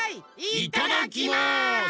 いただきます！